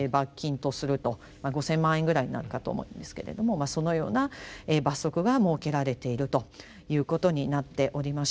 まあ５，０００万円ぐらいになるかと思うんですけれどもそのような罰則が設けられているということになっておりまして。